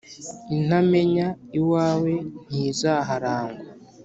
Intamenya iwawe ntiziharangwa